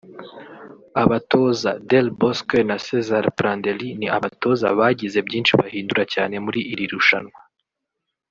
Abatoza Del Bosque na Cesare Prandelli ni abatoza bagize byinshi bahindura cyane muri iri rushanwa